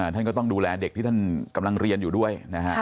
ท่านก็ต้องดูแลเด็กที่ท่านกำลังเรียนอยู่ด้วยนะฮะ